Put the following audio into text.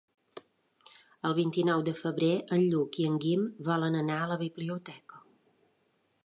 El vint-i-nou de febrer en Lluc i en Guim volen anar a la biblioteca.